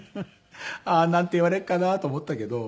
ああなんて言われるかなと思ったけど。